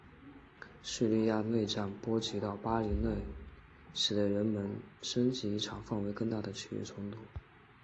叙利亚内战波及到黎巴嫩和土耳其使得人们害怕内战将升级为一场范围更广的区域冲突。